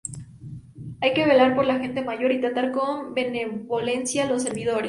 Hay que velar por la gente mayor y tratar con benevolencia los servidores.